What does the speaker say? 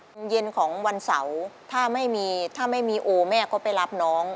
โมงเย็นของวันเสาร์ถ้าไม่มีถ้าไม่มีโอแม่ก็ไปรับน้อง